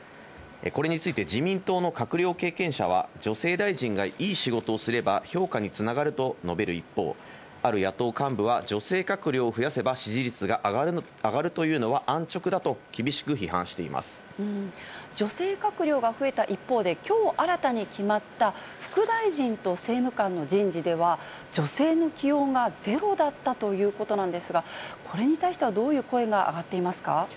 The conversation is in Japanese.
これについて自民党の閣僚経験者は、女性大臣がいい仕事をすれば、評価につながると述べる一方、ある野党幹部は、女性閣僚を増やせば、支持率が上がるというのは安直だと、厳しく女性閣僚が増えた一方で、きょう新たに決まった副大臣と政務官の人事では、女性の起用がゼロだったということなんですが、これに対してはどういう声が上がっていますか。